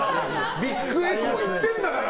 ビッグエコー行ってんだから！